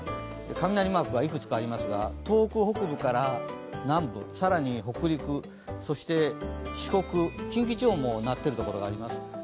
雷マークがいくつかありますが、東北北部から南部、さらに北陸、そして四国、近畿地方も鳴っているところがあります。